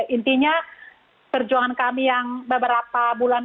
intinya perjuangan kami yang beberapa bulan